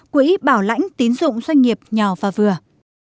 quỹ bảo lãnh tín dụng doanh nghiệp nhỏ và vừa